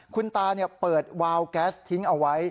คุณตาเปิดวาวแก๊สทิ้งเอาไว้